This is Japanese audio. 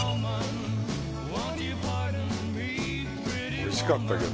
おいしかったけど。